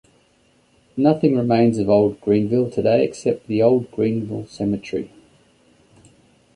Nothing remains of Old Greenville today except the Old Greenville Cemetery.